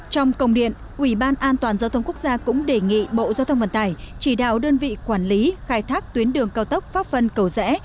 trong công điện ủy ban an toàn giao thông quốc gia cũng đề nghị bộ giao thông vận tải chỉ đạo đơn vị quản lý khai thác tuyến đường cao tốc pháp vân cầu rẽ